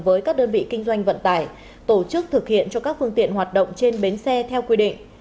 với các đơn vị kinh doanh vận tải tổ chức thực hiện cho các phương tiện hoạt động trên bến xe theo quy định